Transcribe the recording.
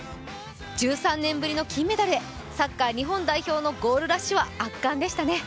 １３年ぶりの金メダルへサッカー日本代表のゴールラッシュは圧巻でしたね。